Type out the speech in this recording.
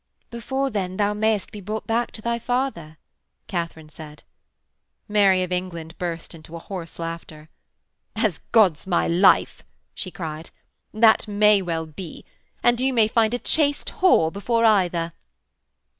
'Before then thou mayest be brought back to thy father,' Katharine said. Mary of England burst into a hoarse laughter. 'As God's my life,' she cried, 'that may well be. And you may find a chaste whore before either.'